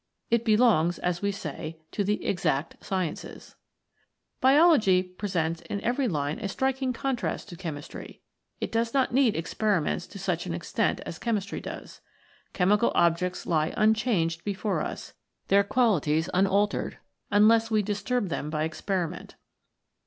It belongs, as we say, to the Exact Sciences. BIOLOGY AND CHEMISTRY Biology presents in every line a striking con trast to Chemistry. It does not need experi ments to such an extent as Chemistry does. Chemical objects lie unchanged before us, their qualities unaltered, unless we disturb them by experiment.